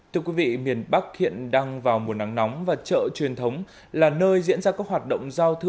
thưa quý vị miền bắc hiện đang vào mùa nắng nóng và chợ truyền thống là nơi diễn ra các hoạt động giao thương